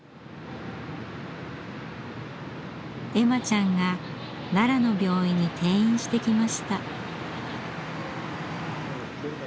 恵満ちゃんが奈良の病院に転院してきました。